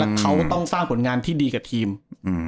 แล้วเขาต้องสร้างผลงานที่ดีกับทีม